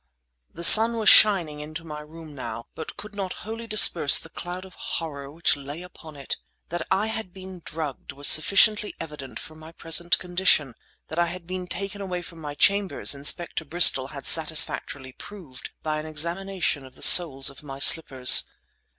The sun was shining into my room now, but could not wholly disperse the cloud of horror which lay upon it. That I had been drugged was sufficiently evident from my present condition, and that I had been taken away from my chambers Inspector Bristol had satisfactorily proved by an examination of the soles of my slippers.